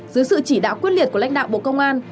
dưới sự chỉ đạo quyết liệt của lãnh đạo bộ công an